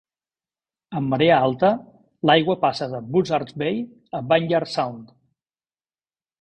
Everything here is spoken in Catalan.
Amb marea alta, l'aigua passa de Buzzards Bay a Vineyard Sound.